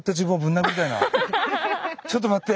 ちょっと待って！